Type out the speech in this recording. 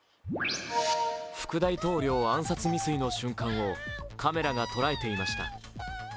副大統領暗殺未遂の瞬間をカメラが捉えていました。